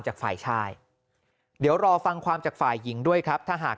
จากฝ่ายชายเดี๋ยวรอฟังความจากฝ่ายหญิงด้วยครับถ้าหาก